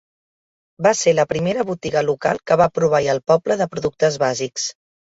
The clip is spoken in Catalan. Va ser la primera botiga local que va proveir el poble de productes bàsics.